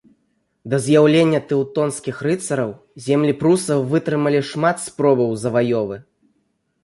Да з'яўлення тэўтонскіх рыцараў землі прусаў вытрымалі шмат спробаў заваёвы.